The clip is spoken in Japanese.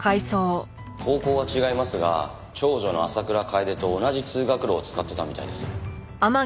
高校は違いますが長女の浅倉楓と同じ通学路を使ってたみたいです。